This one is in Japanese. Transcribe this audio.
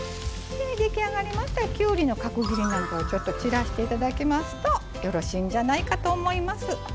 出来上がりましたらきゅうりの角切りなんかを散らしていただきますとよろしいんじゃないかと思います。